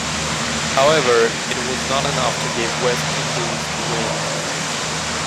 However, it was not enough to give West Indies the win.